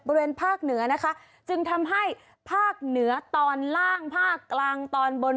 บริเวณภาคเหนือนะคะจึงทำให้ภาคเหนือตอนล่างภาคกลางตอนบน